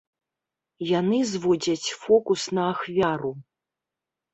Яны зводзяць фокус на ахвяру.